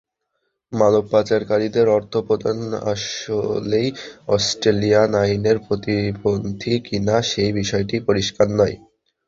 মানবপাচারকারীদের অর্থ প্রদান আসলেই অস্ট্রেলিয়ান আইনের পরিপন্থী কিনা সেই বিষয়টি পরিষ্কার নয়।